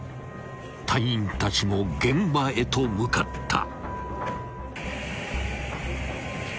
［隊員たちも現場へと向かった］